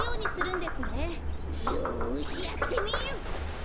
よしやってみる！